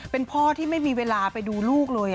เป็นพ่อที่ไม่มีเวลาไปดูลูกเลย